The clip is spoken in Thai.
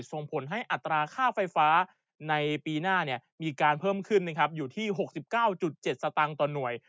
ส่งผลให้อัตราค่าไฟฟ้าในปีหน้ามีการเพิ่มขึ้นอยู่ที่๖๙๗สตางค์ต่อหน่วย